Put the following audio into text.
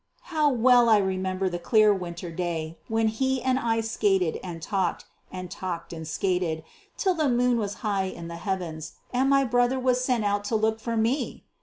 How well I remember the clear winter day when he and I skated and talked, and talked and skated, till the moon was high in the heavens, and my brother was sent out to look for me!